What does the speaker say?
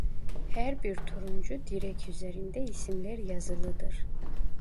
Her bir turuncu direk üzerinde isimler yazılıdır.